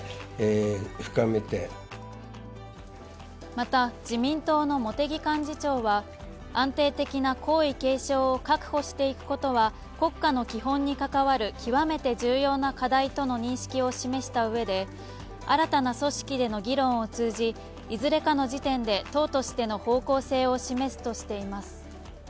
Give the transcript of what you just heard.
また、自民党の茂木幹事長は、安定的な皇位継承を確保していくことは国家の基本に関わる極めて重要な課題との認識を示したうえで、新たな組織での議論を通じ、いずれかの時点で党としての方向性を示すとしています。